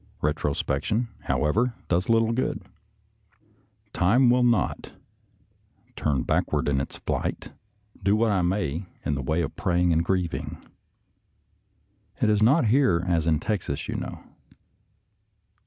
Retrospection, however, does little good. Time will not " turn backward in its flight," do what I may in the way of praying and grieving. It is not here as in Texas, you know.